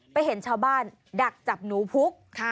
เห็นชาวบ้านดักจับหนูพุก